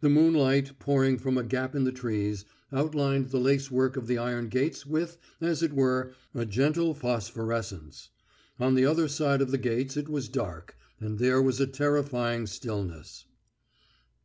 The moonlight, pouring from a gap in the trees, outlined the lacework of the iron gates with, as it were, a gentle phosphorescence. On the other side of the gates it was dark, and there was a terrifying stillness.